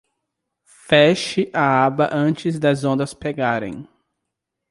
Feche a aba antes das ondas pegarem.